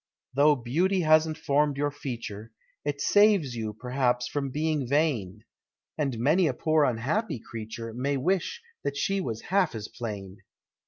Though Beauty hasn't formed your feature, It saves you p'rhaps from being vain, And many a poor unhappy creature May wish that she was half as plain.